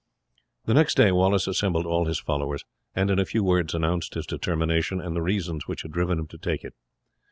The next day Wallace assembled all his followers, and in a few words announced his determination, and the reasons which had driven him to take it.